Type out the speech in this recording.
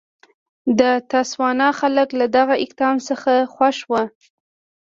د تسوانا خلک له دغه اقدام څخه خوښ وو.